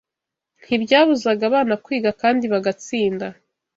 Ntibyabuzaga abana kwiga kandi bagatsinda